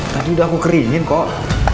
tadi udah aku keringin kok